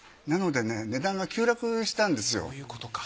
なので値段が急落したんですよ。